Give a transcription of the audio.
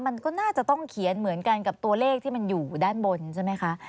มันก็น่าจะต้องเขียนเหมือนกันกับตัวเลขที่มันอยู่ด้านบนใช่ไหมคะ